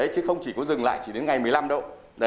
chứ không chỉ có dừng lại chỉ đến ngày một mươi năm độ